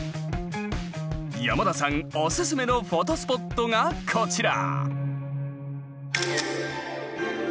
山田さんおすすめのフォトスポットがこちら。